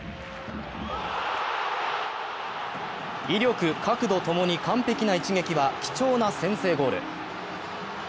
威力、角度、共に完璧な一撃は貴重な先制ゴール。